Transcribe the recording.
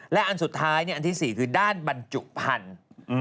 และอันสุดท้ายอันที่๔คือด้านบรรจุพันธุ์